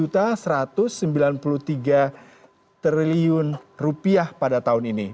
satu satu ratus sembilan puluh tiga triliun rupiah pada tahun ini